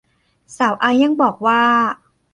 สาวไอซ์ยังบอกว่า